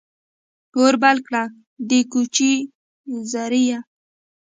اور بل کړه ، د کوچي زریه !